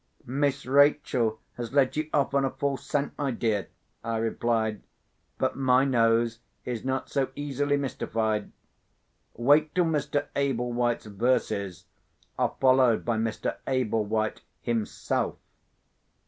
"Miss Rachel has led you off on a false scent, my dear," I replied; "but my nose is not so easily mystified. Wait till Mr. Ablewhite's verses are followed by Mr. Ablewhite himself."